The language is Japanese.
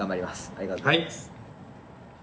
はい。